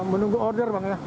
menunggu order bang ya